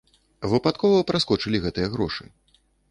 Выпадкова праскочылі гэтыя грошы.